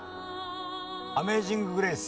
『アメイジング・グレイス』。